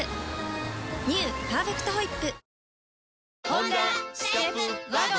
「パーフェクトホイップ」